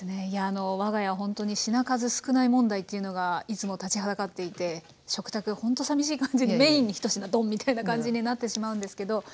いやあの我が家はほんとに品数少ない問題というのがいつも立ちはだかっていて食卓がほんとさみしい感じにメインに１品ドンみたいな感じになってしまうんですけど。